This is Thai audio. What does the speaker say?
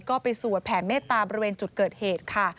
ก็ไปสวดแผ่เมตตาบริเวณจุดเกิดเหตุค่ะ